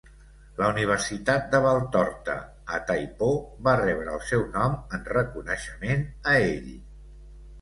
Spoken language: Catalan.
La Universitat de Valtorta, a Tai Po, va rebre el seu nom en reconeixement a ell.